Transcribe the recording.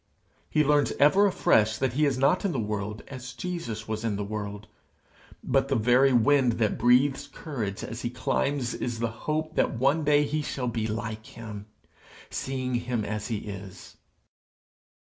He learns ever afresh that he is not in the world as Jesus was in the world; but the very wind that breathes courage as he climbs is the hope that one day he shall be like him, seeing him as he is.